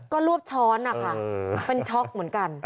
ก็รวบช้อนนะคะเป็นช็อกเหมือนกัน